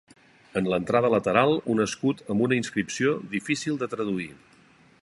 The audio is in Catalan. En l'entrada lateral un escut amb una inscripció difícil de traduir.